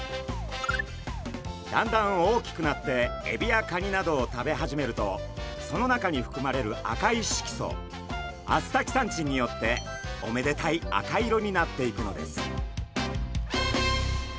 だんだん大きくなってエビやカニなどを食べ始めるとその中にふくまれる赤い色素アスタキサンチンによっておめでたい赤色になっていくのです。